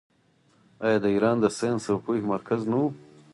آیا ایران د ساینس او پوهې مرکز نه و؟